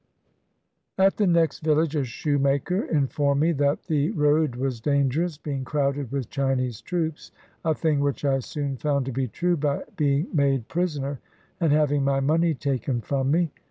] At the next village a shoemaker informed me that the road was dangerous, being crowded with Chinese troops; a thing which I soon found to be true by being made prisoner and having my money taken from me.